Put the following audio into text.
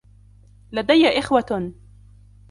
لديّ أخوةٌ.